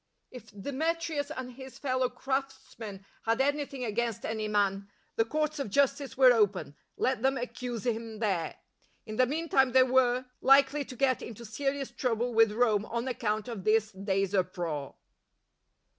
If Demetrius and his fellow craftsmen had anything against any man, the courts of justice were open ; let them accuse him there. In the meantime they weie likely to get into serious trouble with Rome on account of " this day's uproar.